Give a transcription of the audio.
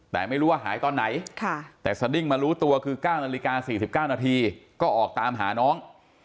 แต่ไม่รู้ว่าหายตอนไหนแต่สดิ้งมารู้ตัวคือ๙นาฬิกา๔๙นาทีก็ออกตามหาน้อง